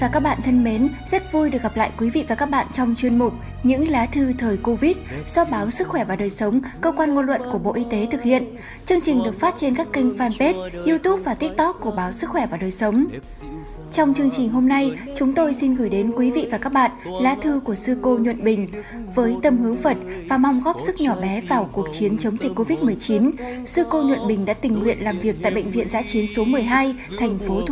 các bạn hãy đăng ký kênh để ủng hộ kênh của chúng mình nhé